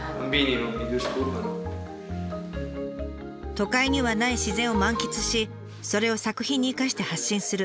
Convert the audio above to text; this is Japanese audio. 都会にはない自然を満喫しそれを作品に生かして発信する。